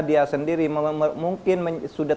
dia sendiri mungkin sudah